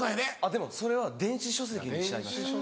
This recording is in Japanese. でも電子書籍にしちゃいました。